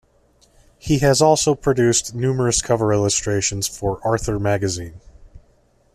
He has also produced numerous cover illustrations for "Arthur Magazine".